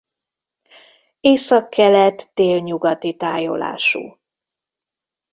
Északkelet-délnyugati tájolású.